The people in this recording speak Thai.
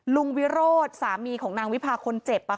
ลุงวิโรธสามีของนางวิภาคนเจ็บอ่ะค่ะครับ